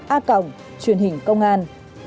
a cộng truyền hình công an